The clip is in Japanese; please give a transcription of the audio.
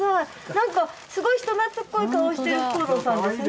なんかすごい人なつっこい顔をしてるフクロウさんですね。